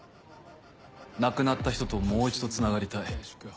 亡くなった人ともう一度つながりたい。